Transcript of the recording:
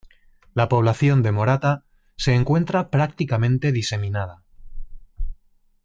La población de Morata se encuentra prácticamente diseminada.